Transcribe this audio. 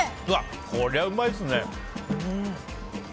これは、うまいですね。